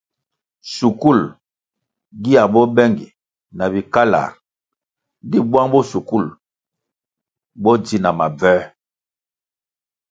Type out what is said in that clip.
Shukul gia bo bengi na bikalar di bwang bo shukul bo dzi na mabvoē.